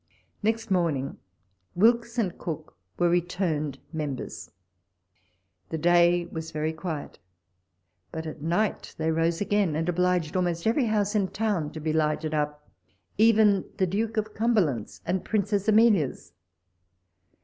Next morning, Wilkes and Cooke were returned members. The day was very quiet, but at night they I'ose again, and obliged almost every house in town to be lighted up, even the Duke of Cumberland's and Princess Amelia's.